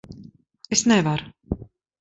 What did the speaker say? Es nevaru.